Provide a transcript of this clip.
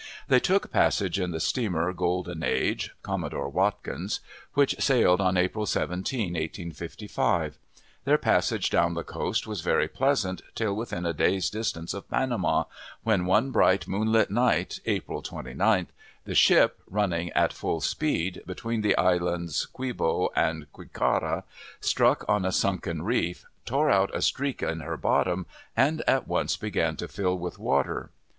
They took passage in the steamer Golden Age (Commodore Watkins), which sailed on April 17, 1855. Their passage down the coast was very pleasant till within a day's distance of Panama, when one bright moonlit night, April 29th, the ship, running at full speed, between the Islands Quibo and Quicara, struck on a sunken reef, tore out a streak in her bottom, and at once began to fill with water.